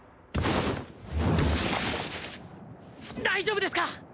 大丈夫ですか！